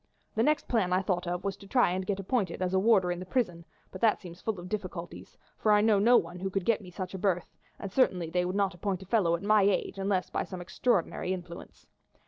The next plan I thought of was to try and get appointed as a warder in the prison, but that seems full of difficulties, for I know no one who could get me such a berth, and certainly they would not appoint a fellow at my age unless by some extraordinary influence.